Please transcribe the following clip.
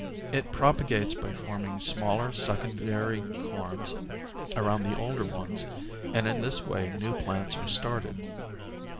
It propa gates by forming smaller secondary corms around the older ones and in this way new plants are started.